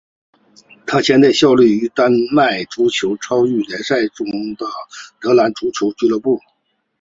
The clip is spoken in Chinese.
他现在效力于丹麦足球超级联赛球队中日德兰足球俱乐部。